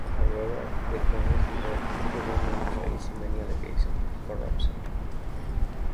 However, the Congress-led government faced many allegations of corruption.